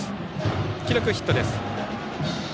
記録ヒットです。